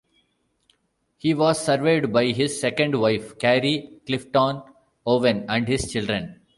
He was survived by his second wife, Carrie Clifton Owen, and his children.